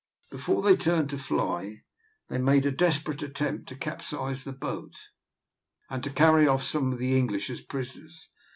Before they turned to fly, they made a desperate attempt to capsize the boat, and to carry off some of the English as prisoners.